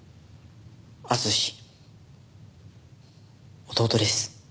敦弟です。